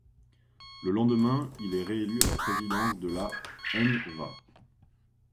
Le lendemain, il est réélu à la présidence de la N-Va.